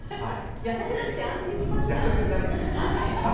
痩せてなくて安心しました。